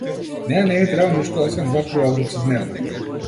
Мене не ми треба ништо, освен два-три оброци дневно.